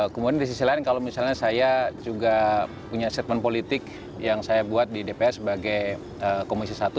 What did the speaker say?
kemudian di sisi lain kalau misalnya saya juga punya statement politik yang saya buat di dpr sebagai komisi satu